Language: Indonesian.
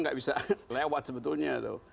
tidak bisa lewat sebetulnya